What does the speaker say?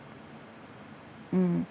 うん。